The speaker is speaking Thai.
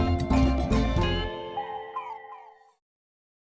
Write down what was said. เมื่อไถ้เมื่อกี๊